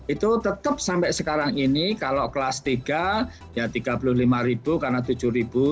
itu tetap sampai sekarang ini kalau kelas tiga ya rp tiga puluh lima ribu karena tujuh ribu